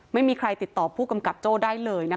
ไม่มีใครติดต่อผู้กำกับโจ้ได้เลยนะคะ